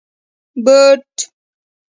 👞 بوټ